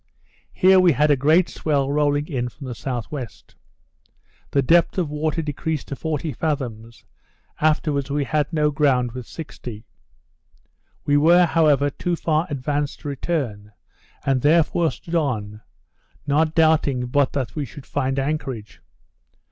Here we had a great swell rolling in from the S.W. The depth of water decreased to 40 fathoms, afterwards we had no ground with 60. We were, however, too far advanced to return; and therefore stood on, not doubting but that we should find anchorage.